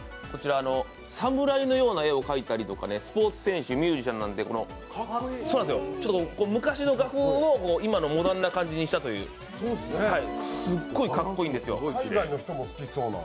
侍のような絵を描いたりとか、スポーツ選手、ミュージシャンなんか、昔の画風を今のモダンな感じにしたというすっごいかっこいいんですよ。